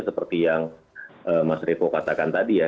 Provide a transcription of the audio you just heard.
seperti yang mas revo katakan tadi ya